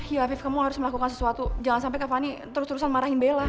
iya afif kamu harus melakukan sesuatu jangan sampai ke fani terus terusan marahin bella